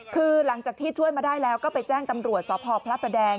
คือหลังจากที่ช่วยมาได้แล้วก็ไปแจ้งตำรวจสพพระประแดง